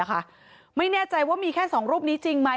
แล้วทำท่าเหมือนลบรถหนีไปเลย